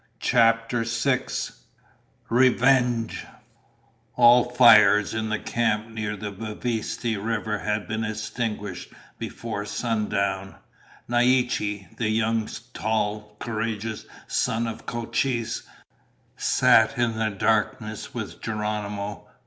CHAPTER SIX Revenge All fires in the camp near the Bavispe River had been extinguished before sundown. Naiche, the young, tall, courageous son of Cochise, sat in the darkness with Geronimo.